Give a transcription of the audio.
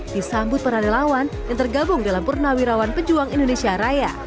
disambut peradilawan yang tergabung dalam purnawirawan pejuang indonesia raya